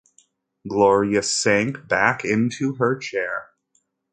Gloria sank back into her chair.